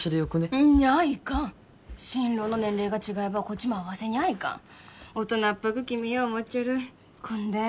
うんにゃあいかん新郎の年齢が違えばこっちも合わせにゃあいかん大人っぽく決めよう思っちょるこんでん